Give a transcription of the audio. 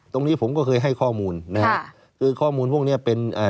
ตรงนี้ผมก็เคยให้ข้อมูลนะฮะคือข้อมูลพวกเนี้ยเป็นอ่า